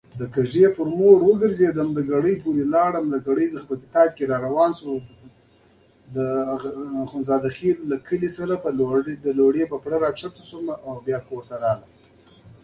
دا قوانین د دولت او خلکو له خوا په ګډه رامنځته کېږي.